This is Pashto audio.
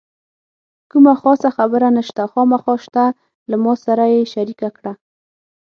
کومه خاصه خبره نشته، خامخا شته له ما سره یې شریکه کړه.